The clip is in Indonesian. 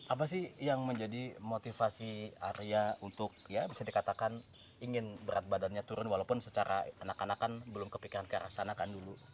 apa sih yang menjadi motivasi arya untuk ya bisa dikatakan ingin berat badannya turun walaupun secara anak anak kan belum kepikiran ke arah sana kan dulu